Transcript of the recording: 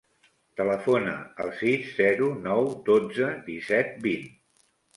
Telefona al sis, zero, nou, dotze, disset, vint.